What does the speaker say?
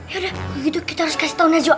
yaudah kalau gitu kita harus kasih tau najwa